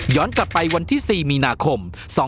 ย้อนกลับไปวันที่๔มีนาคม